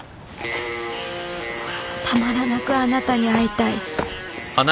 たまらなくあなたに会いたい